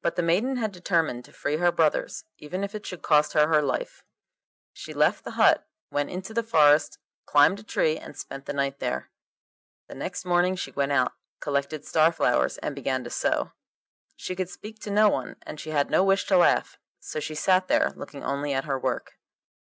But the maiden had determined to free her brothers even if it should cost her her life. She left the hut, went into the forest, climbed a tree, and spent the night there. The next morning she went out, collected star flowers, and began to sew. She could speak to no one, and she had no wish to laugh, so she sat there, looking only at her work.